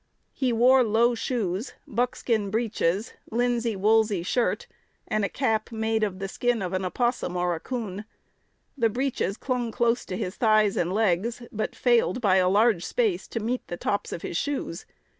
He wore low shoes, buckskin breeches, linsey woolsey shirt, and a cap made of the skin of an opossum or a coon. The breeches clung close to his thighs and legs, but failed by a large space to meet the tops of his shoes.